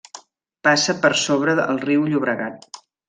Passa per sobre el riu Llobregat.